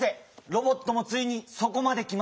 ロボットもついにそこまできましたか！